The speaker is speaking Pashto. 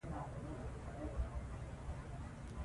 کله چې پرېکړې په پټه وشي شکونه ډېرېږي